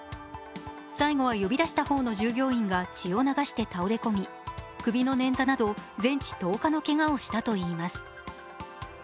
最後は呼び出した方の従業員が血を流して倒れ込み、首の捻挫など全治１０日のけがをしたといいます。